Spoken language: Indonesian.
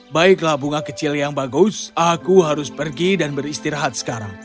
baiklah bunga kecil yang bagus aku harus pergi dan beristirahat sekarang